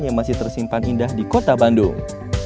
yang masih tersimpan indah di kota bandung